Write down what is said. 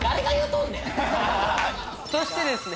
そしてですね